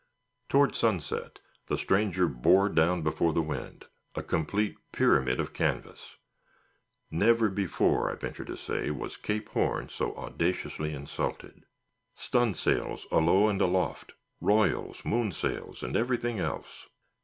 Toward sunset the stranger bore down before the wind, a complete pyramid of canvas. Never before, I venture to say, was Cape Horn so audaciously insulted. Stun' sails alow and aloft; royals, moonsails, and everything else.